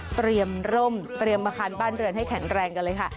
เตรียมร่มเตรียมอาคารบ้านเรือนให้แข็งแรงกันเลยค่ะ